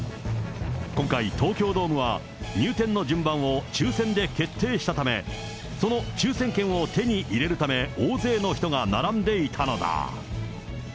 今回、東京ドームは、入店の順番を抽せんで決定したため、その抽せん権を手に入れるため、大勢の人が並んでいたのだ。